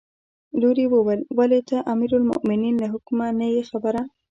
لور یې وویل: ولې ته د امیرالمؤمنین له حکمه نه یې خبره.